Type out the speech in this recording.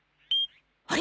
あれ？